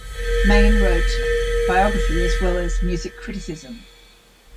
Maine wrote biography as well as music criticism.